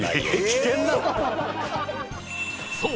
そう！